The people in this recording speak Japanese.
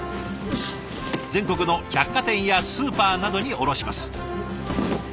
全国の百貨店やスーパーなどに卸します。